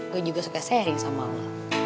gue juga suka sharing sama lo